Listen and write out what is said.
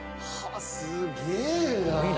すげえな。